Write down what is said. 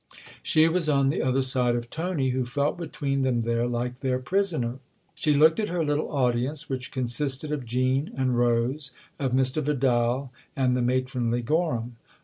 She fc was on the other side of Tony, who felt, 98 THE OTHER HOUSE between them there, like their prisoner. She looked at her little audience, which consisted of Jean and Rose, of Mr. Vidal and the matronly Gorham.